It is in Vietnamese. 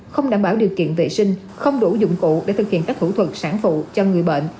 không đảm bảo điều kiện vệ sinh không đủ dụng cụ để thực hiện các thủ thuật sản phụ cho người bệnh